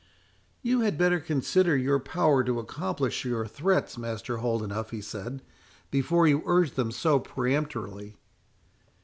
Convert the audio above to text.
"You had better consider your power to accomplish your threats, Master Holdenough," he said, "before you urge them so peremptorily."